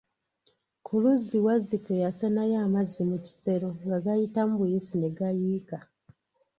Ku luzzi Wazzike yasenayo amazzi mu kisero nga gayitamu buyisi ne gayiika.